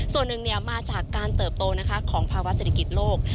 ส่วนหนึ่งมาจากการเติบโตของภาวะเศรษฐกิจโลก